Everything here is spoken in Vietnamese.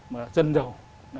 mà dân giàu